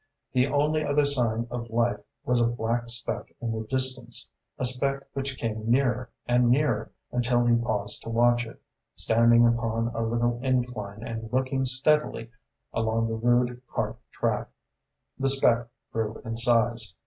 The only other sign of life was a black speck in the distance, a speck which came nearer and nearer until he paused to watch it, standing upon a little incline and looking steadily along the rude cart track. The speck grew in size.